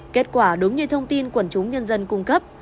kết quả đúng như thông tin quần chúng nhân dân cung cấp